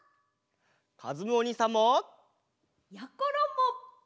かずむおにいさんも！やころも！